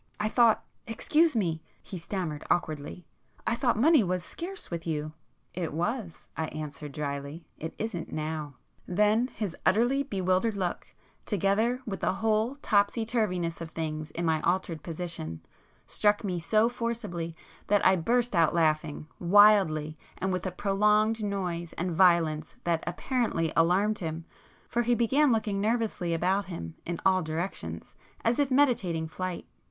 "I thought ... excuse me ..." he stammered awkwardly; "I thought money was scarce with you——" "It was," I answered drily—"It isn't now." Then, his utterly bewildered look, together with the whole topsy turviness of things in my altered position, struck me so forcibly that I burst out laughing, wildly, and with a prolonged noise and violence that apparently alarmed him, for he began looking nervously about him in all directions as if meditating flight.